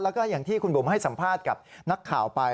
แล้วก็อย่างที่คุณบุ๋มให้สัมภาษณ์กับนักข่าวไป